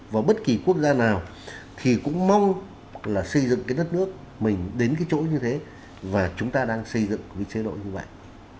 và bất kỳ quốc gia nào thì cũng mong là xây dựng cái đất nước mình đến cái chỗ như thế và chúng ta đang xây dựng cái chế độ như vậy